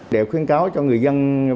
để khuyên cáo cho người dân